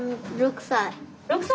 ６歳？